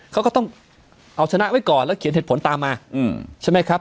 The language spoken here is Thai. เขาก็ต้องเอาชนะไว้ก่อนแล้วเขียนเหตุผลตามมาใช่ไหมครับ